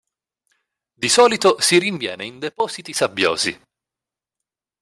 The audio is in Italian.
Di solito si rinviene in depositi sabbiosi.